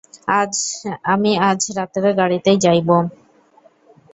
আমি আজ রাত্রের গাড়িতেই যাইব।